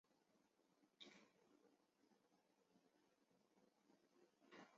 马鸣生于东印度的桑岐多国出家。